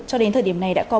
cho đến thời điểm này đã có